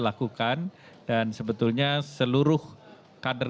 lakukan dan sebetulnya seluruh kader